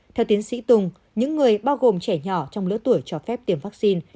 theo tiến sĩ tùng những người bao gồm trẻ nhỏ trong lứa tuổi cho phép tiêm vaccine